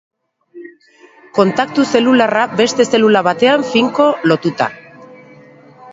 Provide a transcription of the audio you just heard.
Kontaktu zelularra beste zelula batean finko lotuta.